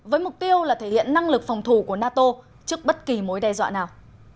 với mục tiêu là thể hiện năng lực phòng thủ của nato trước bất kỳ mối đe dọa nào